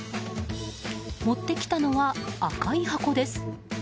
持ってきたのは赤い箱です。